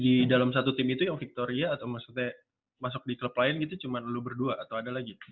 di dalam satu tim itu yang victoria atau maksudnya masuk di klub lain gitu cuma lu berdua atau ada lagi